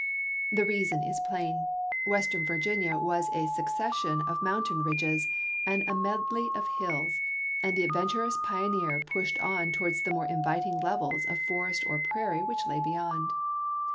The reason is plain: Western Virginia was a succession of mountain ridges, and a medley of hills, and the adventurous pioneer pushed on towards the more inviting levels of forest or prairie which lay beyond.